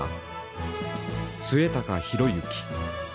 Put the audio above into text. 末高弘之。